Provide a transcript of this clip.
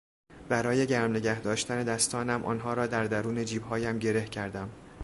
برای گرم نگهداشتن دستانم، آنها را در درون جیبهایم گره کردم.